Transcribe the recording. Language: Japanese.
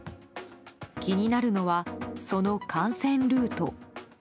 気になるのは、その感染ルート。